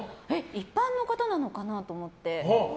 一般の方なのかなと思って。